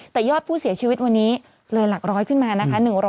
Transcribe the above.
แต่ยอดผู้เสียชีวิตวันนี้เลยหลักร้อยขึ้นมานะคะ